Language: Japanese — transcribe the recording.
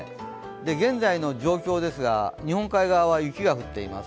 現在の状況ですが、日本海側は雪が降っています。